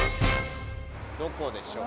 どこでしょうか。